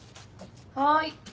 ・はい。